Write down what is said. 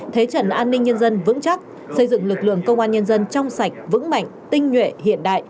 thế trận an ninh nhân dân vững chắc xây dựng lực lượng công an nhân dân trong sạch vững mạnh tinh nhuệ hiện đại